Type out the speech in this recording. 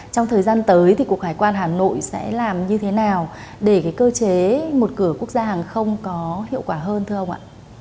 trong thời gian tới thì cuộc hải quan hà nội sẽ làm như thế nào để cơ chế một cửa quốc gia hàng không có hiệu quả hơn thưa ông ạ